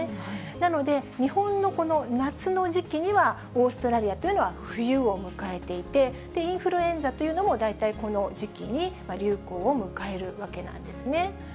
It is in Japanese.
なので、日本のこの夏の時期には、オーストラリアというのは冬を迎えていて、インフルエンザというのも大体この時期に流行を迎えるわけなんですね。